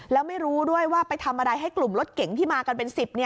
แล้วไม่รู้ด้วยว่าไปทำอะไรให้กลุ่มรถเก๋งที่มากันเป็น๑๐